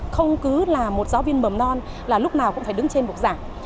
không cứ là một giáo viên mầm non là lúc nào cũng phải đứng trên bục giảng